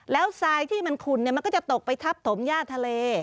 แล้วทรายที่มันขุ่นมันก็จะตกไปทับถมย่าทะเล